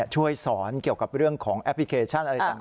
ช่วยสอนเกี่ยวกับเรื่องของแอปพลิเคชันอะไรต่าง